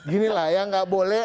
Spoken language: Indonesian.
gini lah ya nggak boleh